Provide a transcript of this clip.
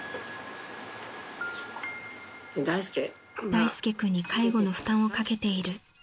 ［大介君に介護の負担をかけている］